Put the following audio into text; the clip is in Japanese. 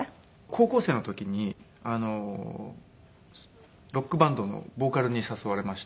高校生の時にロックバンドのボーカルに誘われまして。